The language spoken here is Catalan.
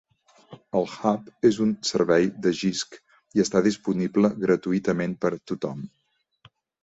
El Hub és un servei de Jisc i està disponible gratuïtament per tothom.